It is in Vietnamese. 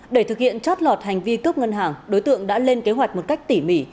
để thực hiện chót lọt hành vi cướp ngân hàng đối tượng đã lên kế hoạch một cách tỉ mỉ